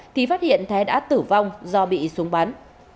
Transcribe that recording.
thì phát hiện thé đã tử vong do bị súng bắn